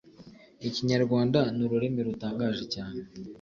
Ikinya-Rwanda ni ururimi rutangaje cyane,